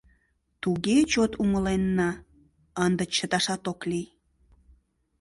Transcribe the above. — Туге чот умыленна — ынде чыташат ок лий.